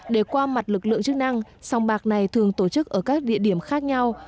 để qua mặt lực lượng chức năng sông bạc này thường tổ chức ở các địa điểm khác nhau